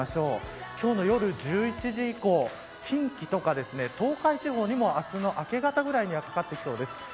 今日の夜１１時以降近畿とか東海地方にも明日の明け方ぐらいにはかかってきそうです。